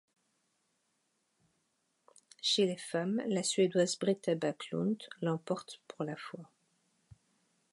Chez les femmmes, la suédoise Britta Backlund l'emporte pour la fois.